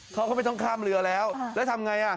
เขาก็ไม่ต้องข้ามเรือแล้วแล้วทำไง